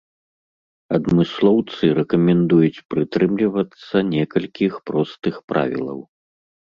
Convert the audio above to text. Адмыслоўцы рэкамендуюць прытрымлівацца некалькіх простых правілаў.